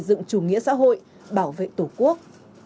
dựng chủ nghĩa xã hội bảo vệ tổ quốc